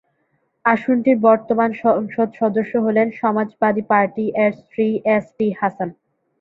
আসনটির বর্তমান সংসদ সদস্য হলেন সমাজবাদী পার্টি-এর শ্রী এস টি হাসান।